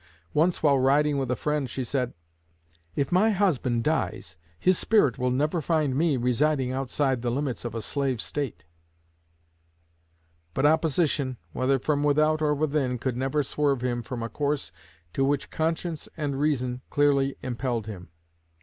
Once while riding with a friend she said: "If my husband dies, his spirit will never find me residing outside the limits of a slave State." But opposition, whether from without or within, could never swerve him from a course to which conscience and reason clearly impelled him.